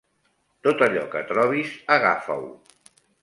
Tot allò que trobis, agafa-ho.